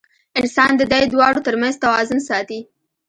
انسان د دې دواړو تر منځ توازن ساتي.